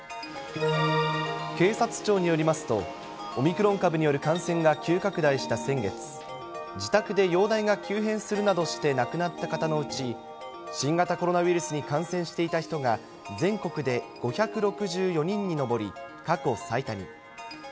警察庁によりますと、オミクロン株による感染が急拡大した先月、自宅で容体が急変するなどして亡くなった方のうち、新型コロナウイルスに感染していた人が、全国で５６４人に上り、過去最多に。